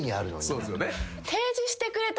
そうですよね。